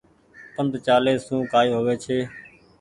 پند چآلي سون ڪآئي هووي ڇي۔